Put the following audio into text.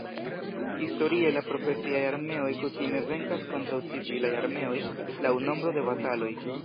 Historie la profesiaj armeoj kutime venkas kontraŭ civilaj armeoj laŭ nombro de bataloj.